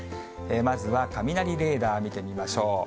まずは、雷レーダー見てみましょう。